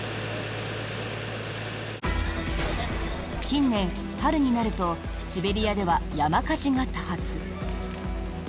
近年、春になるとシベリアでは山火事が多発。